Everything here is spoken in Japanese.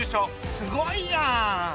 すごいやん！